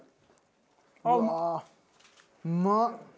うまっ！